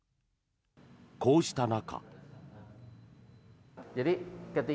こうした中。